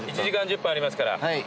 １時間１０分ありますから。